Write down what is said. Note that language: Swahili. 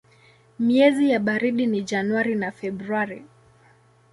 Miezi ya baridi ni Januari na Februari.